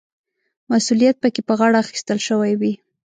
مسوولیت پکې په غاړه اخیستل شوی وي.